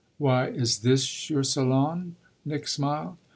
"Why, is this your salon?" Nick smiled.